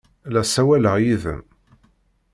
La ssawaleɣ yid-m!